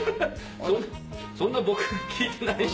そんな僕聞いてないし。